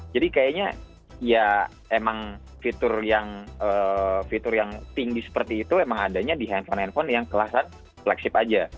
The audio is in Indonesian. kayaknya ya emang fitur yang tinggi seperti itu emang adanya di handphone handphone yang kelasan flagship aja